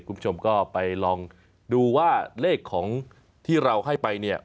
คุณผู้ชมก็ไปลองดูว่าเลขของที่เราให้ไปเนี่ย